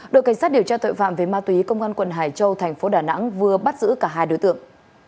đội cảnh sát điều tra tội phạm về ma túy công an quận hải châu thành phố đà nẵng vừa bắt giữ cả hai đối tượng